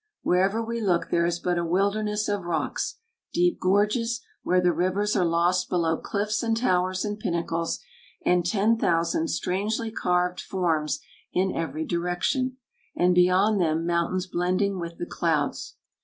Wherever we look there is but a wilderness of rocks; deep gorges, where the rivers are lost below cliffs and towers and pinnacles; and ten thousand strangely carved forms in every direction, and beyond them mountains blending with the clouds."